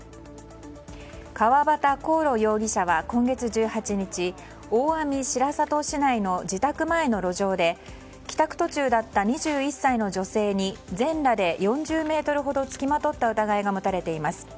川端光露容疑者は今月１８日大網白里市内の住宅前の路上で２１歳の女性に全裸で４０ｍほど付きまとった疑いが持たれています。